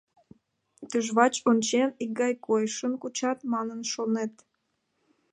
Тӱжвач ончен, икгай койышым кучат манын шонет.